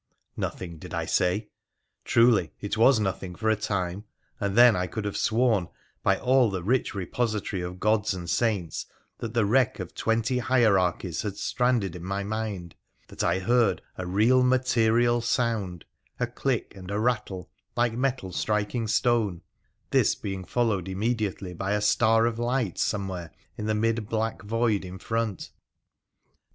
Nothing, did I say ? Truly it was nothing for a time, and then I could have sworn, by all the rich repository of gods and saints that the wreck of twenty hierarchies had stranded in my mind, that I heard a real material sound, a click and rattle, like metal striking stone, this being followed immediately by a star of light somewhere in the mid black void in front.